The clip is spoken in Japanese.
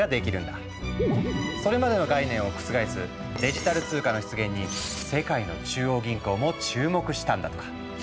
それまでの概念を覆すデジタル通貨の出現に世界の中央銀行も注目したんだとか。